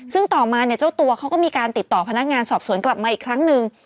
ซึ่งต่อมาเนี่ยเจ้าตัวเขาก็มีการติดต่อพนักงานสอบสวนกลับมาอีกครั้งหนึ่ง